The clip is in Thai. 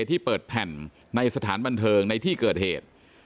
ที่เปิดแผ่นในสถานบันเทิงในที่เกิดเหตุ